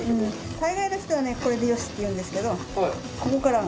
大概の人はこれでよしって言うんですけどここから。